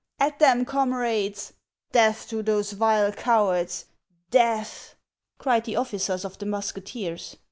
" At them, comrades ! Death to those vile cowards ! Death !" cried the officers of the musketeers.